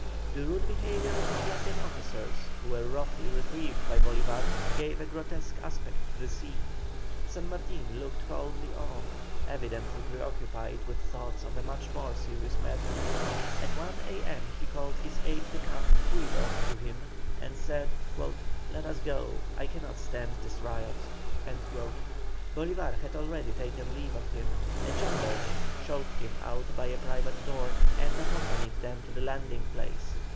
The rude behaviour of the Columbian officers, who were roughly reproved by Bolívar, gave a grotesque aspect to the scene. San Martin looked coldly on, evidently pre occupied with thoughts of a much more serious nature. At one A.M. he called his aide de camp, Guido, to him, and said: "Let us go; I cannot stand this riot." Bolívar had already taken leave of him; a chamberlain showed them out by a private door, and accompanied them to the landing place.